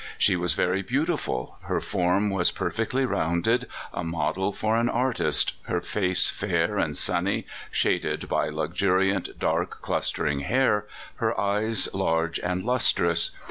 She was ver\ beautiful ; her form was perfectly rounded, a model for an artist, her face fair and sunny, shaded by luxuriant dark, clustering hair, her eyes large and lustrous.